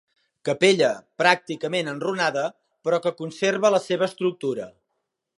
Capella, pràcticament enrunada, però que conserva la seva estructura.